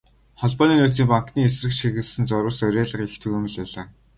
Холбооны нөөцийн банкны эсрэг чиглэсэн зурвас, уриалга их түгээмэл байлаа.